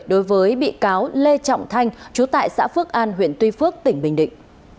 đối với bị cáo lê trọng thanh chú tại xã phước an huyện tuy phước tỉnh bình định